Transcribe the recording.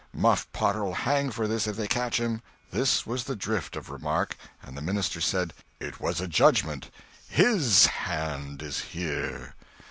"Muff Potter'll hang for this if they catch him!" This was the drift of remark; and the minister said, "It was a judgment; His hand is here."